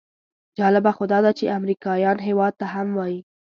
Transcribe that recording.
جالبه خو داده چې امریکایان هېواد ته هم وایي.